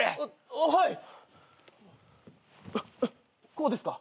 こうですか？